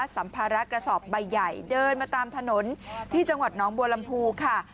สัมภาระกระสอบใบใหญ่เดินมาตามถนนที่จังหวัดน้องบัวลำพูค่ะ